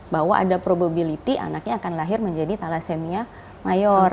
bahwa ada probability anaknya akan lahir menjadi thalassemia mayor